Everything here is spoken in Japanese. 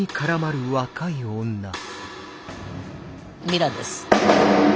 ミラです。